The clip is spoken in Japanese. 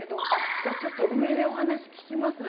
じゃあちょっと上でお話聞きますね。